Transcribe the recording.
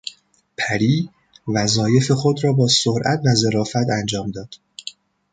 پری وظایف خود را با سرعت و ظرافت انجام داد.